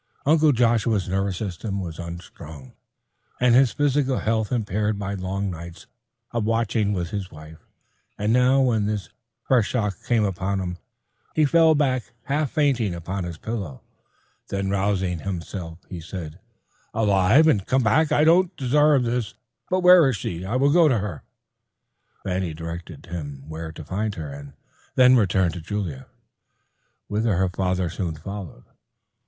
Uncle Joshua's nervous system was unstrung, and his physical health impaired by long nights of watching with his wife, and now when this fresh shock came upon him, he fell back half fainting upon his pillow. Then rousing himself, he said, "Alive and come back! I don't desarve this. But where is she? I will go to her." Fanny directed him where to find her, and then returned to Julia, whither her father soon followed.